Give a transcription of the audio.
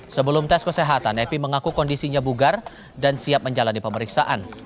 sebelum tes kesehatan epi mengaku kondisinya bugar dan siap menjalani pemeriksaan